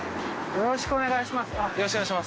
よろしくお願いします。